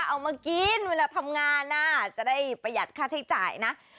เอามากินเวลาทำงานจะได้ประหยัดค่าใช้จ่ายนะ